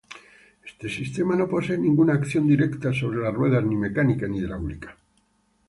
Este sistema no posee ninguna acción directa sobre las ruedas, ni mecánica ni hidráulica.